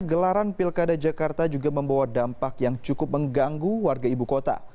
gelaran pilkada jakarta juga membawa dampak yang cukup mengganggu warga ibu kota